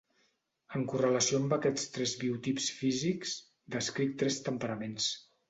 En correlació amb aquests tres biotips físics, descric tres temperaments.